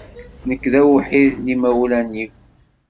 Nekk d awḥid n imawlan-iw.